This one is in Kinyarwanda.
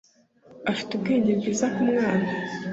Afite ubwenge bwiza kumwana.